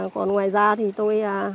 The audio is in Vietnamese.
còn ngoài ra thì tôi